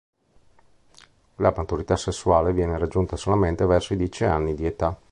La maturità sessuale viene raggiunta solamente verso i dieci anni di età.